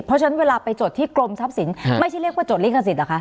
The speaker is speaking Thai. เพราะฉะนั้นเวลาไปจดที่กรมทรัพย์สินไม่ใช่เรียกว่าจดลิขสิทธิเหรอคะ